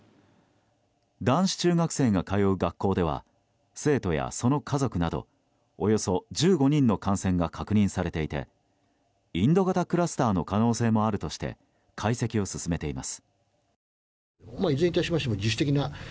男子中学生が通う学校では生徒や、その家族などおよそ１５人の感染が確認されていてインド型クラスターの可能性もあるとして解析を進めています。